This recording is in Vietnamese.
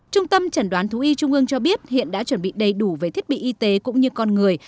trung tâm chẩn đoán thú y trung ương cho biết hiện đã chuẩn bị đầy đủ về thiết bị y tế cũng như con người